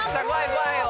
怖いよ。